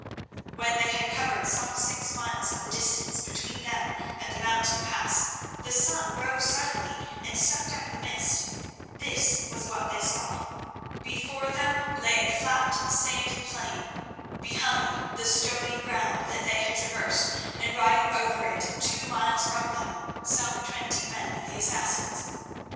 When they had covered some six miles of the distance between them and the mountain pass, the sun rose suddenly and sucked up the mist. This was what they saw. Before them lay a flat, sandy plain; behind, the stony ground that they had traversed, and riding over it, two miles from them, some twenty men of the Assassins.